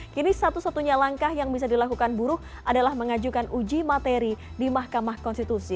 kini satu satunya langkah yang bisa dilakukan buruh adalah mengajukan uji materi di mahkamah konstitusi